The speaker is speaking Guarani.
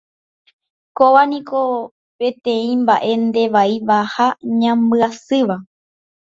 Kóva niko peteĩ mbaʼe ndevaíva ha ñambyasýva.